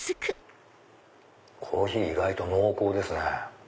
コーヒー意外と濃厚ですね。